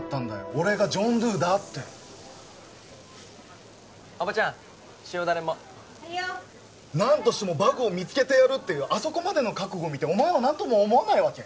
俺がジョン・ドゥだっておばちゃん塩ダレも・はいよ何としてもバグを見つけてやるっていうあそこまでの覚悟見てお前は何とも思わないわけ？